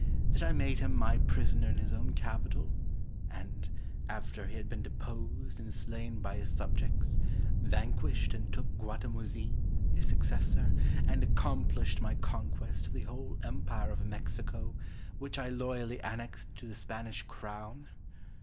That I made him my prisoner in his own capital; and, after he had been deposed and slain by his subjects, vanquished and took Guatimozin, his successor, and accomplished my conquest of the whole empire of Mexico, which I loyally annexed to the Spanish Crown?